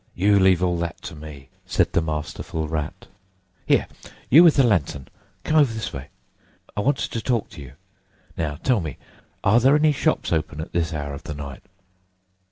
"You leave all that to me," said the masterful Rat. "Here, you with the lantern! Come over this way. I want to talk to you. Now, tell me, are there any shops open at this hour of the night?"